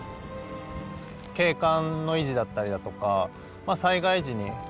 景観の維持だったりだとか災害時に。